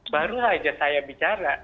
baru saja saya bicara